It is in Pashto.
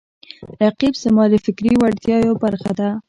رقیب زما د فکري وړتیاو یوه برخه ده